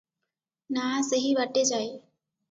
ନାଆ ସେହି ବାଟେ ଯାଏ ।